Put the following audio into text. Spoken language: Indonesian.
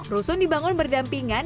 rusun dibangun berdampingan